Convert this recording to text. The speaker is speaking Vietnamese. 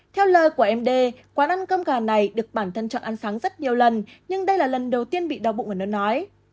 theo lời của n d quán ăn cơm gà này được bản thân chọn ăn sáng rất nhiều lần nhưng đây là lần đầu tiên bị đau bụng và nôn nói